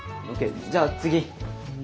じゃあ次。